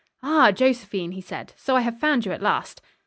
"Ah, Josephine," he said, "so I have found you at last."